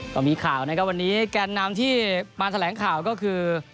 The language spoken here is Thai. ก็มีข่าววันนี้แก่นน้ำที่มาแสดงข่าวก็คือ